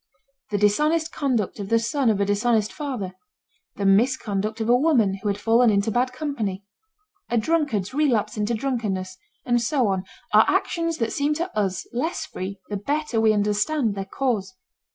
The dishonest conduct of the son of a dishonest father, the misconduct of a woman who had fallen into bad company, a drunkard's relapse into drunkenness, and so on are actions that seem to us less free the better we understand their cause.